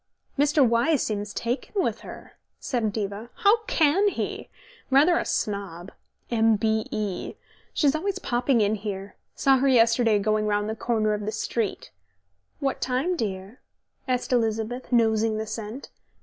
... "Mr. Wyse seems taken with her," said Diva. "How he can! Rather a snob. M.B.E. She's always popping in here. Saw her yesterday going round the corner of the street." "What time, dear?" asked Elizabeth, nosing the scent.